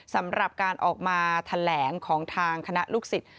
สำหรับการออกมาแถลงของทางคณะลูกศิษย์